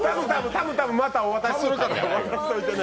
たむたむ、またお渡しするから渡してね。